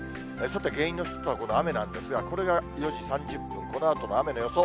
さて、原因の一つがこのこの雨なんですが、これが４時３０分、このあとの雨の予想。